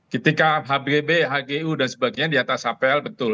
ketika hbb hgu dan sebagainya di atas hpl betul